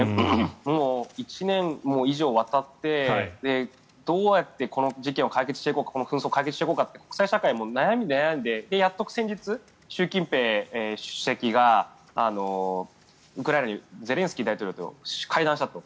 もう１年以上にわたってどうやってこの紛争を解決していこうかって国際社会も悩みに悩んでやっと先日習近平主席が、ウクライナのゼレンスキー大統領と会談したと。